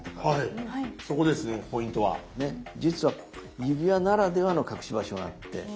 はいそこですねポイントは。実は指輪ならではの隠し場所があって。